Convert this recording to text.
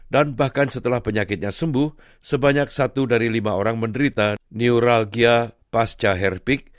dan bahkan setelah penyakitnya sembuh sebanyak satu dari lima orang menderita neuralgia pasca herpik